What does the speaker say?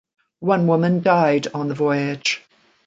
One woman died on the voyage.